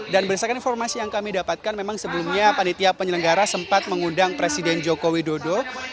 dan berdasarkan informasi yang kami dapatkan memang sebelumnya panitia penyelenggara sempat mengundang presiden joko widodo